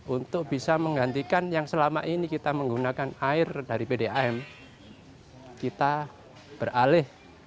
untuk bisa menggantikan yang selama ini kita menggunakan air dari pdam kita beralih